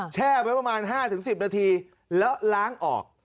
แช่ไว้ประมาณ๕๑๐นาทีแล้วล้างออก